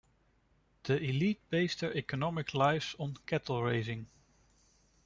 The elite based their economic lives on cattle raising.